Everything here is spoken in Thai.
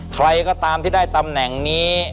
ใครก็ตามที่ได้ตำแหน่งนี้